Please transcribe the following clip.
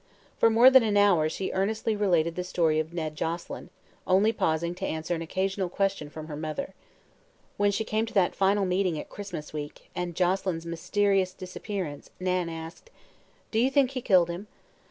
For more than an hour she earnestly related the story of Ned Joselyn, only pausing to answer an occasional question from her mother. When she came to that final meeting at Christmas week and Joselyn's mysterious disappearance, Nan asked: "Do you think he killed him?"